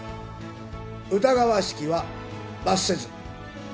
疑わしきは罰せず。